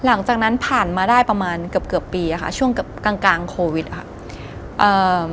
หลังจากนั้นผ่านมาได้ประมาณเกือบเกือบปีอะค่ะช่วงเกือบกลางโควิดค่ะ